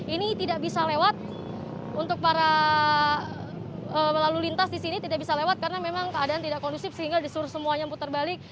ini tidak bisa lewat untuk para melalui lintas di sini tidak bisa lewat karena memang keadaan tidak kondusif sehingga disuruh semuanya putar balik